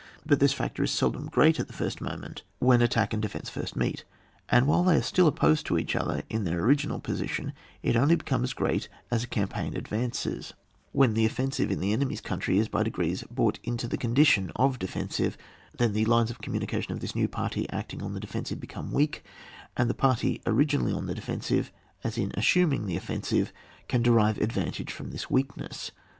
But this factor is seldom great at the first moment, when attack and defence first 74 ON WAR. [book VI. meet, and wliile they are still opposed to ecuih other in their original position ; it only becomes g^eat as a campaign ad vancesy when the offensive in the enemy's country is by degrees brought into the condition of defensive ; then the lines of communication of this new party acting on the defensive, become weak, and the party originally on the defensive, in as suming the offensive can derive advantage from this weakness.